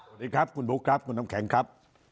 สวัสดีครับคุณบุ๊คครับคุณน้ำแข็งครับ